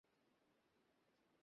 Iodine-starch বিক্রিয়া এর অন্যতম।